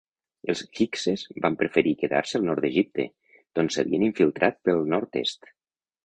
Els hikses van preferir quedar-se al nord d'Egipte, doncs s'havien infiltrat pel nord-est.